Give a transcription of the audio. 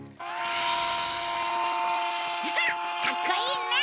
フフッかっこいいね！